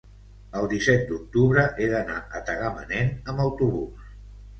el disset d'octubre he d'anar a Tagamanent amb autobús.